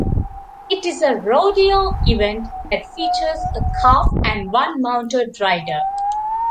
It is a rodeo event that features a calf and one mounted rider.